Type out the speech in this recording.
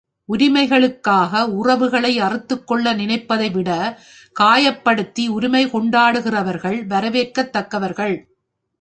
உரிமைகளுக்காக உறவுகளை அறுத்துக் கொள்ள நினைப்பதைவிட கட்டாயப்படுத்தி உரிமை கொண்டாடுகிறவர்கள் வரவேற்கத்தக்கவர்கள்.